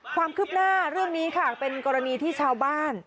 ความคืบหน้าเรื่องนี้ค่ะเป็นกรณีที่ชาวบ้าน